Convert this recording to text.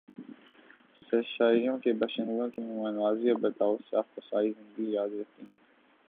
سرشاریہاں کے باشندوں کی مہمان نوازی اور برتائو سیاح کو ساری زندگی یاد رہتی ہیں ۔